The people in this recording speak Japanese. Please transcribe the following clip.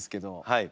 はい。